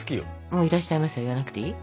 もう「いらっしゃいませ」言わなくていい？